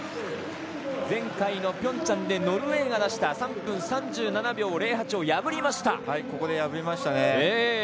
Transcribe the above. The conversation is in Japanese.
前回のピョンチャンでノルウェーが出した３分３７秒０８を破りました。